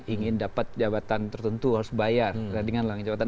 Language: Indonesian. ingin dapat jabatan tertentu harus bayar dengan langit jabatan